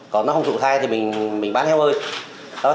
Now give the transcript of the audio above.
còn nó không thụ thai thì mình bán heo ơi